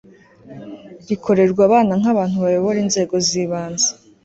rikorerwa abana nk abantu bayobora inzego z ibanze